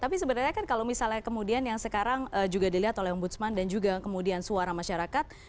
tapi sebenarnya kan kalau misalnya kemudian yang sekarang juga dilihat oleh om budsman dan juga kemudian suara masyarakat